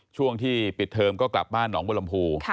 ช่วงที่ปิดเทอมก็กลับบ้านหนองบรมภู